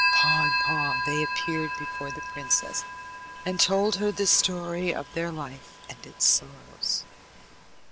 Paw in paw they appeared before the princess, and told her the story of their life and its sorrows.